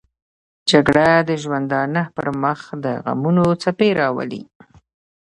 جګړه د ژوندانه پر مخ دغمونو څپې راولي